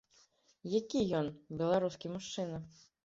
Які ён, беларускі мужчына?